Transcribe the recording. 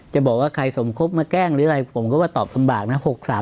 จะบอกว่าใครสมคบมาแกล้งหรืออะไรผมก็ว่าตอบลำบากนะ